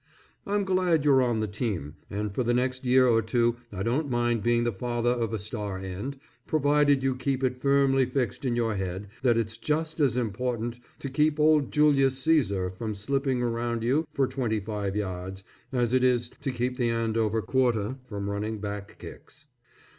I'm glad you're on the team, and for the next year or two I don't mind being the father of a star end, provided you keep it firmly fixed in your head that it's just as important to keep old Julius Cæsar from slipping around you for twenty five yards, as it is to keep the Andover quarter from running back kicks.